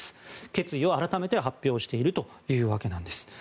決意を改めて発表しているというわけなんです。